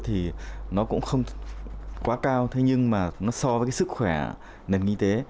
thì nó cũng không quá cao thế nhưng mà nó so với cái sức khỏe nền kinh tế